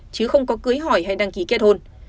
chứ không có cưới hỏi hay đăng ký kết hôn